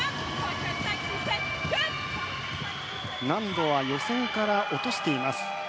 難度は予選から落としています。